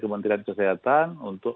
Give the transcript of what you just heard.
kementerian kesehatan untuk